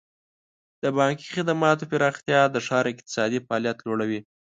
د بانکي خدماتو پراختیا د ښار اقتصادي فعالیت لوړوي.